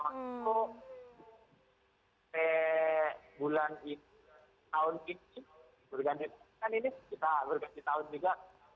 maksudnya sebulan tahun ini berganti kan ini kita berganti tahun juga